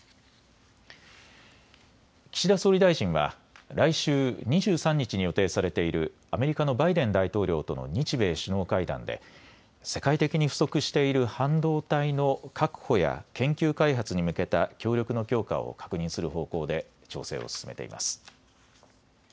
岸田総理大臣は来週２３日に予定されているアメリカのバイデン大統領との日米首脳会談で世界的に不足している半導体の確保や研究開発に向けた協力の強化を確認する方向で調整を進めています。